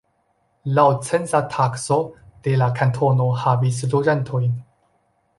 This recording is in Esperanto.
Laŭ censa takso de la kantono havis loĝantojn.